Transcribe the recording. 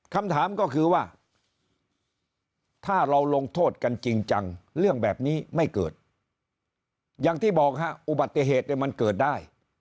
คำถามก็คือว่าถ้าเราลงโทษกันจริงจังเรื่องแบบนี้ไม่เกิดอย่างที่บอกฮะอุบัติเหตุมันเกิดได้